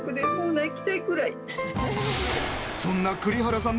そんな栗原さん。